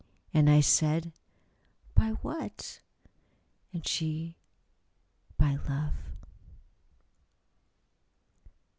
And I said, "By what?" and She, "By Love."